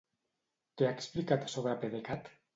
Què ha explicat sobre PDeCAT?